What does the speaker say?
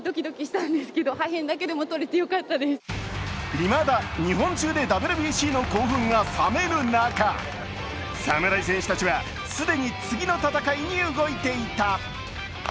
いまだ日本中でＷＢＣの興奮が冷めぬ中、侍戦士たちは既に次の戦いに動いていた。